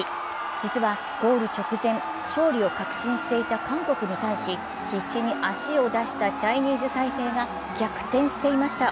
実はゴール直前、勝利を確信していた韓国に対し必死に足を出したチャイニーズ・タイペイが逆転していました。